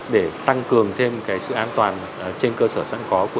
để tăng cường thêm sự an toàn trên cơ sở sở